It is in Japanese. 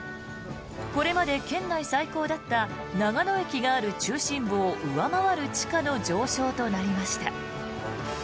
これまで県内最高だった長野駅がある中心部を上回る地価の上昇となりました。